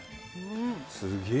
すげえ。